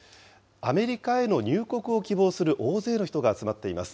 アメリカへの入国を希望する大勢の人が集まっています。